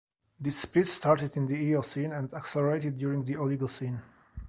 This split started in the Eocene and accelerated during the Oligocene.